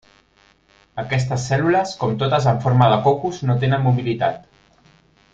Aquestes cèl·lules, com totes amb forma de cocos, no tenen mobilitat.